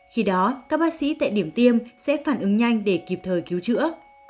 khi đó các bác sĩ tại điểm tiêm sẽ phản ứng nhanh để kịp thời cứu chữa